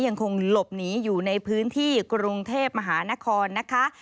ยังคงหลบหนีอยู่ในพื้นที่กรุงเทพมหานครนะคะ